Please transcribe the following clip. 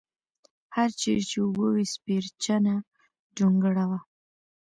هر چېرې چې اوبه وې سپېرچنه جونګړه وه.